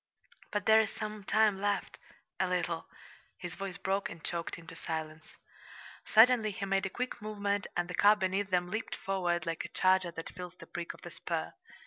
"But there's some time left a little!" his voice broke and choked into silence. Suddenly he made a quick movement, and the car beneath them leaped forward like a charger that feels the prick of the spur.